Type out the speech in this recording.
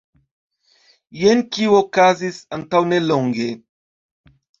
Jen kio okazis antaŭnelonge.